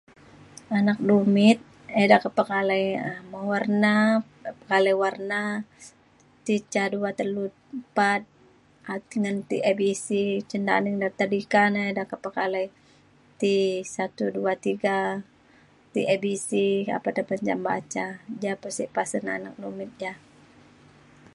anak dumit ida kepekalai um mewarna pekalai warna ti ca dua telu empat um ngan ti ABC cen da tadika na ida kepekalai ti satu dua tiga ti ABC apan de menjam baca ja pa sek pasen anak dumit ja.